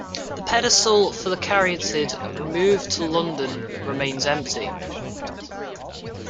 The pedestal for the Caryatid removed to London remains empty.